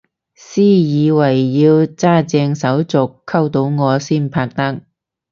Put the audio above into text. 私以為要揸正手續溝到我先拍得